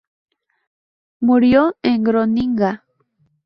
Murió en Groninga.